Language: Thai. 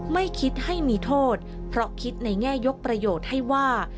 ไม่คิดให้มีโทษเพราะคิดในแง่ยกประโยชน์ให้ว่า